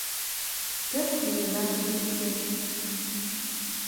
Пӧрт лийынат шинче.